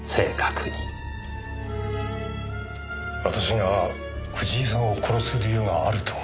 私が藤井さんを殺す理由があると？